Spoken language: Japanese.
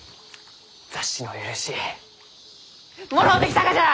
雑誌のお許しもろうてきたがじゃ！